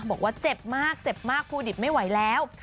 บอกว่าเจ็บมากเจ็บมากครูดิบไม่ไหวแล้ว